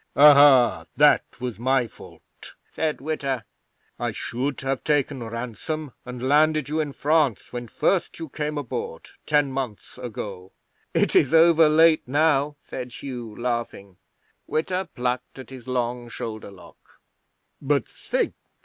'"Ahai! That was my fault," said Witta. "I should have taken ransom and landed you in France when first you came aboard, ten months ago." '"It is over late now," said Hugh, laughing. 'Witta plucked at his long shoulder lock. "But think!"